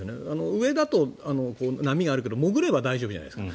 上だと波があるけど潜れば大丈夫じゃないですか。